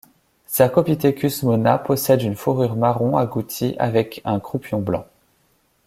Cercopithecus mona possède une fourrure marron agouti avec un croupion blanc.